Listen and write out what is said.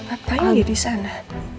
apaan ya di sana